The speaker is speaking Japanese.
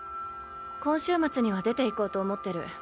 今週末には出ていこうと思ってる。